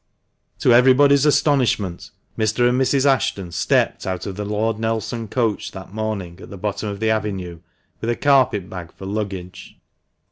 To everybody's astonishment, Mr. and Mrs. Ashton stepped out of the " Lord Nelson " coach that morning at the bottom of the avenue, with a carpet bag for luggage.